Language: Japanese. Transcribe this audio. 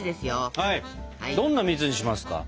どんな蜜にしますか？